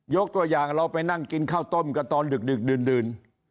ตัวอย่างเราไปนั่งกินข้าวต้มกันตอนดึกดื่น